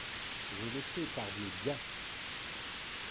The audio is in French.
Je le sais parbleu bien !…